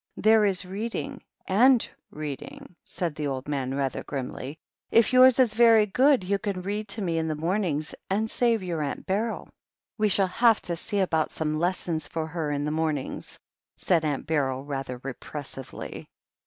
"There is reading and reading," said the old man rather grimly. "If yours is very good you can read to me in the mornings, and save your Aunt Beryl." "We shall have to see about some lessons for her in the mornings," said Aunt Beryl rather repressively.